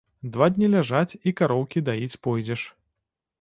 Два дні ляжаць, і кароўкі даіць пойдзеш.